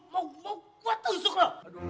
mau gue tusuk lu